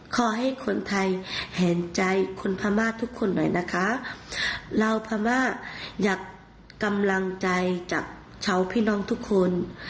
ขอให้คนไทยเห็นใจคนพม่าทุกคนหน่อยนะคะเราพม่าอยากกำลังใจจากชาวพี่น้องทุกคน